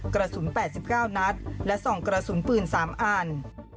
กระสุน๘๙นัดและส่องกระสุนปืน๓อัน